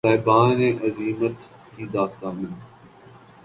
صاحبان عزیمت کی داستانیں ہیں